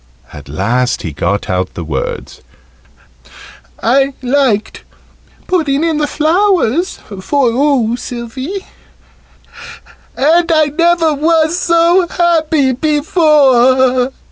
At last he got out the words "I liked putting in the flowers for oo, Sylvie and I never was so happy before."